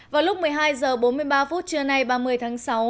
vào lúc một mươi hai h bốn mươi ba phút trưa nay ba mươi tháng sáu